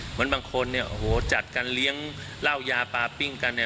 เหมือนบางคนจัดการเลี้ยงเล่ายาปลาปิ้งกัน